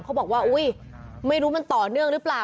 บอกว่าอุ๊ยไม่รู้มันต่อเนื่องหรือเปล่า